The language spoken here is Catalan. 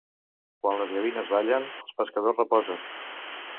Quan les gavines ballen, els pescadors reposen.